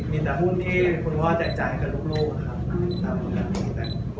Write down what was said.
มีแต่มุมที่คุณพ่อจะจ่ายให้กับรูปโลก